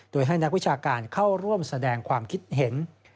โดยให้นักวิชาการเข้าร่วมแสดงความคิดเห็น